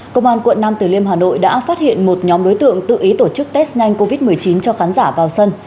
công an quận nam tử liêm hà nội đã phát hiện một nhóm đối tượng tự ý tổ chức test nhanh covid một mươi chín cho khán giả vào sân